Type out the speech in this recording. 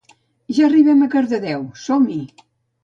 Ja arribem a Cardedeu, som-hi!